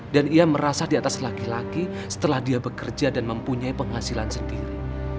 dan ia merasa di atas laki laki setelah dia bekerja dan mempunyai penghasilan sendiri